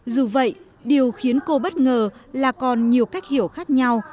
dù vậy điều khiến cô bất ngờ là còn nhiều cách hiểu khác nhau